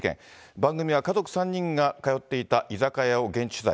番組は家族３人が通っていた居酒屋を現地取材。